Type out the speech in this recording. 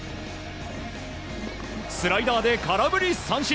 スライダーで空振り三振！